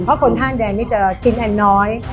เพราะคนข้างแดนนี่จะกินแอนน้อย